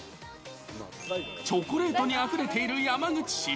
チョコレートにあふれている山口市。